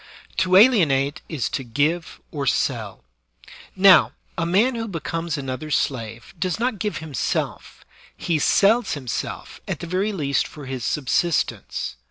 To alienate is to give or selL Now, a man who becomes another's slave does not give himself; he sells himself at the very least for his subsistence.